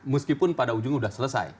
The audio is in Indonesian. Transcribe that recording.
meskipun pada ujung sudah selesai